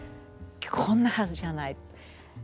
こんなはずじゃない。